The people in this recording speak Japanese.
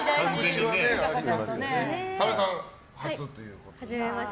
多部さんは初ということで。